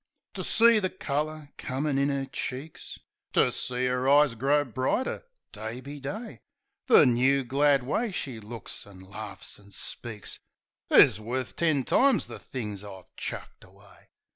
To see the colour comin' in 'er cheeks, To see 'er eyes grow brighter day be day. The new, glad way she looks an' laughs an' speaks Is worf ten times the things I've chucked away.